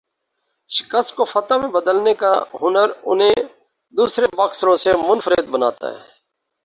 شکست کو فتح میں بدلنے کا ہنر انہیں دوسرے باکسروں سے منفرد بناتا ہے